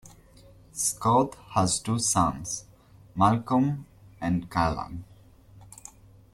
Scott has two sons, Malcolm and Callan.